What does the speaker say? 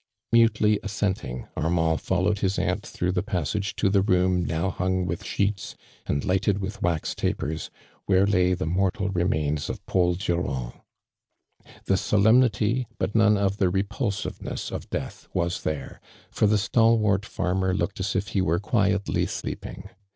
'' Mutely assenting, Ainmnd followeil his aunt through the jiassage to the room now hung with sheets, and lighted with wax tapers, where lay the mortal remains of Paul Durand. The solemnity, but none of the repulsiveness of death was there, for the stalwart farmer looked as if ho wer« quietly sleeping.